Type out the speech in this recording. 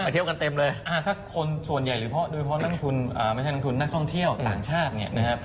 แต่ผมว่าถ้าคนส่วนใหญ่โดยเพราะล่างทุนไม่ใช่ล่างทุนนักท่องเที่ยวต่างชาติ